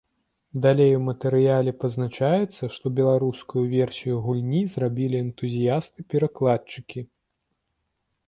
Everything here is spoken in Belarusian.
Далей у матэрыяле пазначаецца, што беларускую версію гульні зрабілі энтузіясты-перакладчыкі.